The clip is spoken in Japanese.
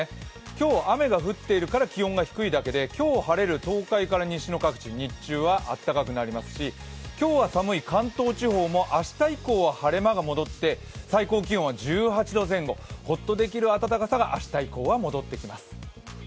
今日、雨が降っているから気温が低いだけで今日晴れる東海から西の各地、日中は暖かくなりますし今日は寒い関東地方も明日以降は晴れ間が戻って最高気温は１８度前後、ホッとできる暖かさが明日以降は戻ってきます。